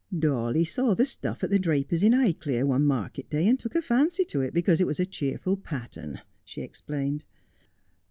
' Dawley saw the stuff at the draper's in Highclere, one market day, and took a fancy to it because it was a cheerful pattern,' she explained.